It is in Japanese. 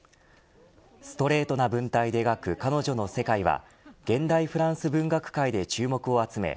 ストレートな文体で描く彼女の世界は現代フランス文学界で注目を集め